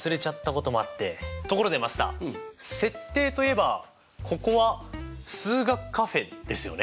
ところでマスター設定といえばここは数学カフェですよね。